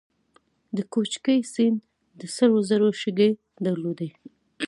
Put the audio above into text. د کوکچې سیند د سرو زرو شګې درلودې